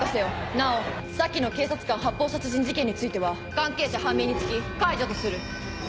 なお先の警察官発砲殺人事件については関係者判明につき解除とする。